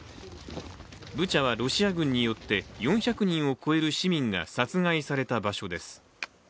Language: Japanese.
ブチャは、ロシア軍によって４００人を超える市民が殺害された場所です。